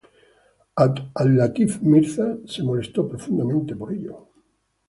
Abd ul-Latif Mirza se molestó profundamente por ello.